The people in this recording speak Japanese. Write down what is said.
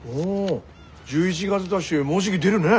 １１月だしもうじぎ出るねえ。